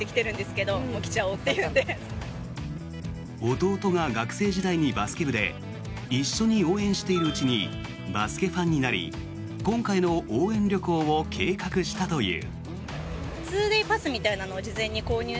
弟が学生時代にバスケ部で一緒に応援しているうちにバスケファンになり今回の応援旅行を計画したという。